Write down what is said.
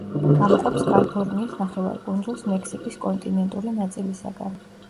გამოყოფს კალიფორნიის ნახევარკუნძულს მექსიკის კონტინენტური ნაწილისაგან.